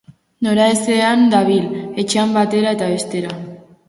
Noraezean dabil, etxean batera eta bestera.